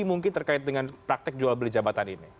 mungkin terkait dengan praktek jual beli jabatan ini